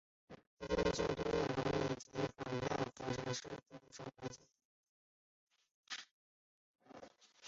和英雄独眼龙及反派火神是手足关系。